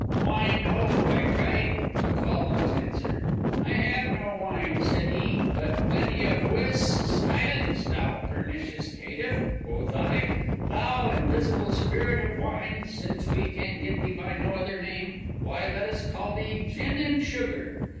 Wine ho! I cried. The call was answered. I have no wine, said he, but plenty of whis . Silence! thou pernicious caitiff, quoth I; thou invisible spirit of wine, since we can get thee by no other name, why let us call thee gin and sugar.